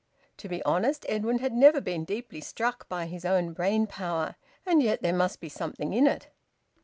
To be honest, Edwin had never been deeply struck by his own brain power. And yet there must be something in it!